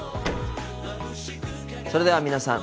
それでは皆さん